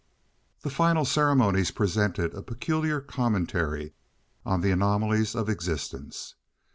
The final ceremonies presented a peculiar commentary on the anomalies of existence.